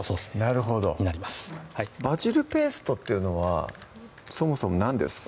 なるほどバジルペーストっていうのはそもそも何ですか？